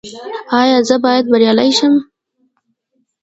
ایا زه باید بریالی شم؟